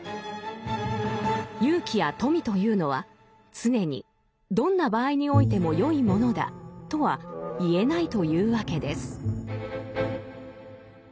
勇気や富というのは常にどんな場合においても善いものだとは言えないというわけです。